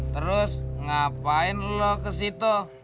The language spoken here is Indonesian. terus ngapain lo ke situ